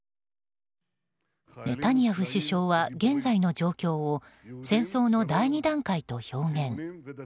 ネタニヤフ首相は現在の状況を戦争の第２段階と表現。